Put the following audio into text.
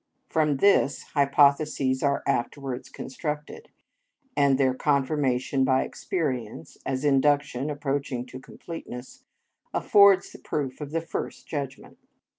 From this, hypotheses are afterwards constructed, and their confirmation by experience, as induction approaching to completeness, affords the proof of the first judgment.